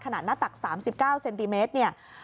ขนาดหน้าตักสามสิบเก้าเซนติเมตรเนี่ย